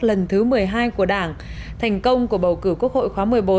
lần thứ một mươi hai của đảng thành công của bầu cử quốc hội khóa một mươi bốn